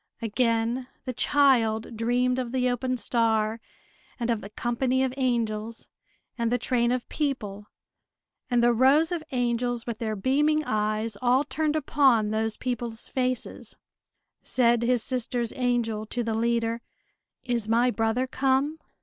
Again the child dreamed of the open star, and of the company of angels, and the train of people, and the rows of angels with their beaming eyes all turned upon those people's faces. Said his sister's angel to the leader: "Is my brother come?"